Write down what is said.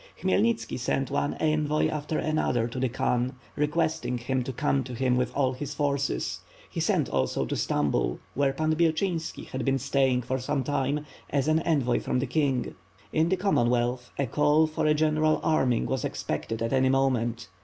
Khmyelnitski sent one envoy after another to the Khan, requesting him to come to him with all his forces; he sent also to Stambul, where Pan Byechinski had been staying for some time, as an envoy from the king. In the Common wealth, a call for a general arming was expected at any mo ment.